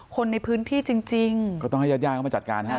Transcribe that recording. คนในพื้นที่จริงจริงก็ต้องให้ญาติญาติเข้ามาจัดการฮะ